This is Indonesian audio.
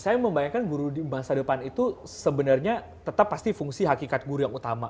saya membayangkan guru di masa depan itu sebenarnya tetap pasti fungsi hakikat guru yang utama